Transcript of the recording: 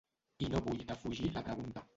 I no vull defugir la pregunta.